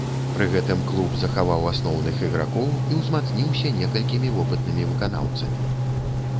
Пры гэтым клуб захаваў асноўных ігракоў і ўзмацніўся некалькімі вопытнымі выканаўцамі.